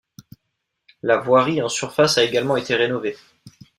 La voirie en surface a également été rénovée.